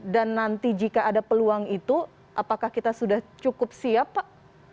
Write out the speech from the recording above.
dan nanti jika ada peluang itu apakah kita sudah cukup siap pak